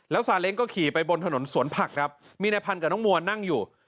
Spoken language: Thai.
ซาเล้งก็ขี่ไปบนถนนสวนผักครับมีนายพันธ์กับน้องมัวนั่งอยู่